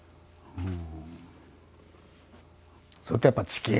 うん。